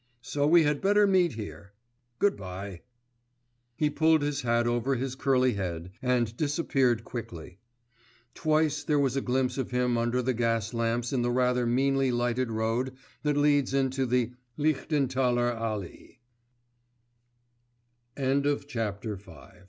So we had better meet here. Good bye.' He pulled his hat over his curly head, and disappeared quickly. Twice there was a glimpse of him under the gas lamps in the rather meanly lighted road that leads into the Lichtenth